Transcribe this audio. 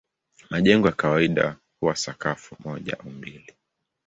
Majengo ya kawaida huwa sakafu moja au mbili tu.